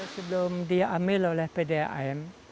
sebelum diambil oleh pdam